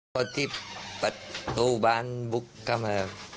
พอที่ประตูบ้านบุกเข้ามา